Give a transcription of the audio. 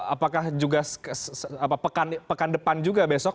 apakah juga pekan depan juga besok